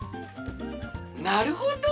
なるほど！